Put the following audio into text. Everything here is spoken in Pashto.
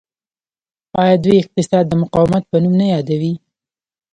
آیا دوی اقتصاد د مقاومت په نوم نه یادوي؟